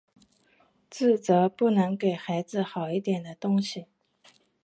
自责不能给孩子好一点的东西